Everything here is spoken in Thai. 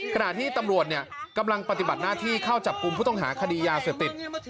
ขณะที่ตำรวจกำลังปฏิบัติหน้าที่เข้าจับกลุ่มผู้ต้องหาคดียาเสพติด